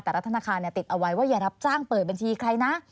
แต่รัฐธนาคารติดเอาไว้ว่าอย่ารับจ้างเปิดบัญชีใครนะ